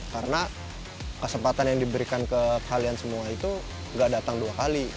karena kesempatan yang diberikan ke kalian semua itu nggak datang dua kali